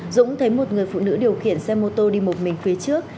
dũng thấy một người phụ nữ điều khiển xe mô tô đi một mình phía trước